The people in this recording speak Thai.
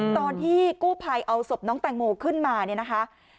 ตอนที่กู้ภัยเอาศพน้องแตงโมขึ้นมาเนี่ยนะคะ